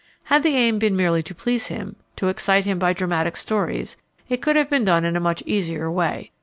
Had the aim been merely to please him, to excite him by dramatic stories, it could have been done in a much easier way.